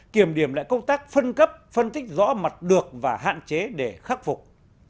kiểm điểm lại công tác phân cấp phân tích rõ mặt được và hạn chế để khắc phục